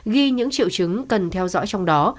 ghi những triệu chứng cần theo dõi trong đó